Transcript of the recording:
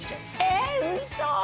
えーウソ！